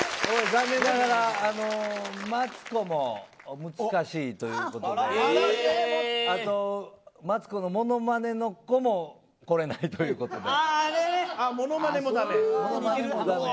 残念ながら、マツコも難しいということであとマツコのモノマネの子も来れないということで。